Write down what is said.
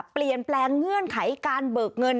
เปลี่ยนแปลงเงื่อนไขการเบิกเงิน